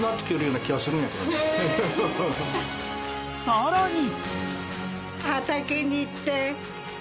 ［さらに］